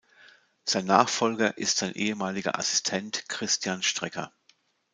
Sein Nachfolger ist sein ehemaliger Assistent Christian Strecker.